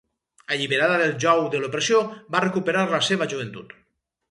Alliberada del jou de l'opressió, va recuperar la seva joventut.